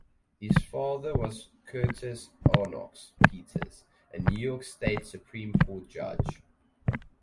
His father was Curtis Arnoux Peters, a New York State Supreme Court judge.